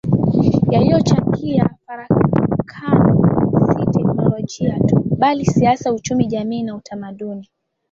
yalichangia farakano si teolojia tu bali siasa uchumi jamii na utamaduni